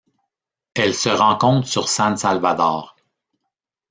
Elle se rencontre sur San Salvador..